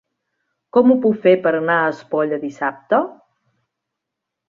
Com ho puc fer per anar a Espolla dissabte?